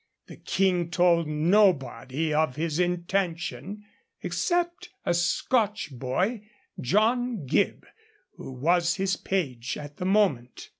The King told nobody of his intention, except a Scotch boy, John Gibb, who was his page at the moment.